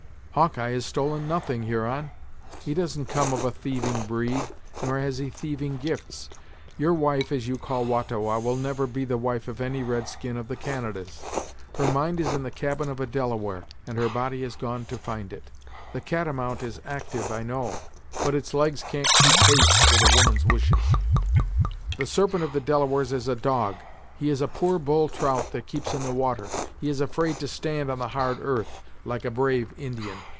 "Hawkeye has stolen nothing, Huron. He doesn't come of a thieving breed, nor has he thieving gifts. Your wife, as you call Wah ta Wah, will never be the wife of any red skin of the Canadas; her mind is in the cabin of a Delaware, and her body has gone to find it. The catamount is actyve I know, but its legs can't keep pace with a woman's wishes." "The Serpent of the Delawares is a dog he is a poor bull trout that keeps in the water; he is afraid to stand on the hard earth, like a brave Indian!"